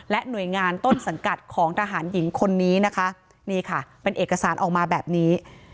หน่วยงานต้นสังกัดของทหารหญิงคนนี้นะคะนี่ค่ะเป็นเอกสารออกมาแบบนี้